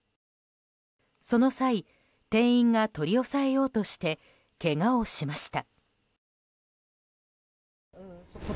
その際店員が取り押さえようとしてけがをしました。